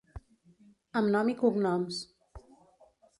Amb nom i cognoms.